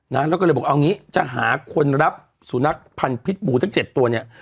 นะแล้วก็เลยบอกเอางี้จะหาคนรับสุนัขพันธ์พิษบูทั้ง๗ตัวเนี่ย